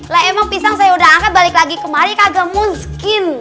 lah emang pisang saya udah angkat balik lagi kemari kagak mungkin